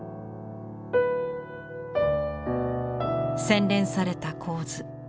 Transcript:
洗練された構図。